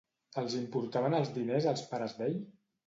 Els importaven els diners als pares d'ell?